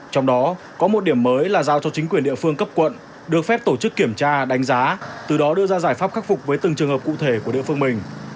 trong đó có một điểm mới là giao cho chính quyền địa phương cấp quận được phép tổ chức kiểm tra đánh giá từ đó đưa ra giải pháp khắc phục với từng trường hợp cụ thể của địa phương mình